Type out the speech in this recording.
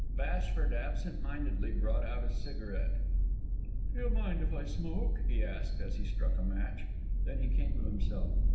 Bashford absent mindedly brought out a cigarette. "Do you mind if I smoke?" he asked, as he struck a match. Then he came to himself.